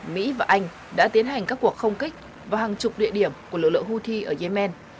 mỹ và anh đã tiến hành các cuộc không kích vào hàng chục địa điểm của lực lượng houthi ở yemen